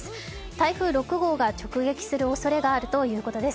台風６号が直撃するおそれがあるということです。